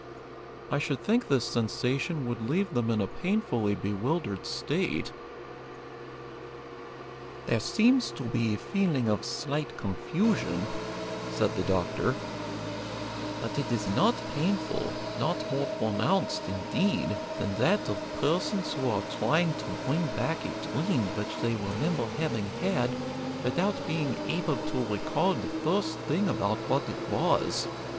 I should think this sensation would leave them in a painfully bewildered state." "There seems to be a feeling of slight confusion," said the doctor; "but it is not painful, not more pronounced, indeed, than that of persons who are trying to bring back a dream which they remember having had without being able to recall the first thing about what it was.